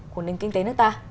của nền kinh tế nước ta